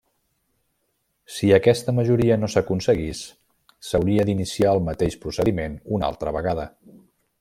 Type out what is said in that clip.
Si aquesta majoria no s'aconseguís, s'hauria d'iniciar el mateix procediment una altra vegada.